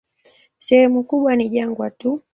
Sehemu kubwa ni jangwa tu.